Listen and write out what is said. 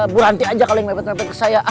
bu ranti aja kalo yang mepet mepet ke saya